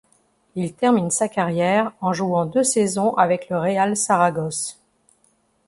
Il termine sa carrière en jouant deux saisons avec le Real Saragosse.